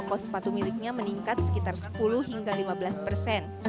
pos sepatu miliknya meningkat sekitar sepuluh hingga lima belas persen